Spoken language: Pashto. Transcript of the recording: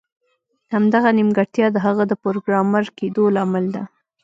همدغه نیمګړتیا د هغه د پروګرامر کیدو لامل ده